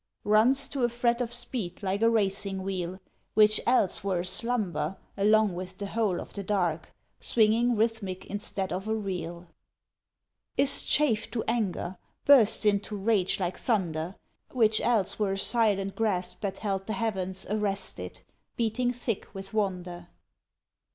Runs to a fret of speed like a racing wheel, Which else were aslumber along with the whole Of the dark, swinging rhythmic instead of a reel. Is chafed to anger, bursts into rage like thunder; Which else were a silent grasp that held the heavens Arrested, beating thick with wonder.